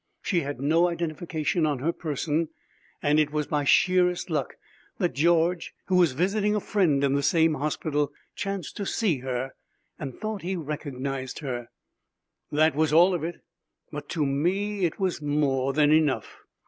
She had no identification on her person, and it was by sheerest luck that George, who was visiting a friend in the same hospital, chanced to see her and thought he recognized her. That was all of it, but to me it was more than enough.